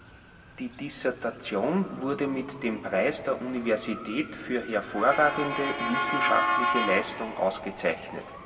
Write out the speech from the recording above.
Die Dissertation wurde mit dem Preis der Universität für hervorragende wissenschaftliche Leistung ausgezeichnet.